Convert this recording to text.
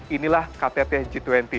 inilah ktt g dua puluh